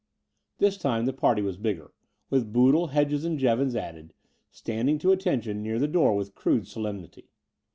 This time the party was bigger, with Boodle, Hedges, and Jevons added, standing to attention near the door with crude solemnity.